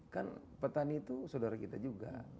kan petani itu saudara kita juga